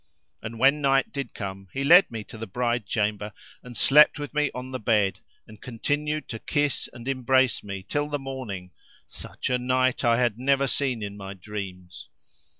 And when night did come he led me to the bride chamber and slept with me on the bed and continued to kiss and embrace me till the morning—such a night I had never seen in my dreams.